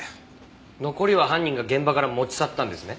残りは犯人が現場から持ち去ったんですね。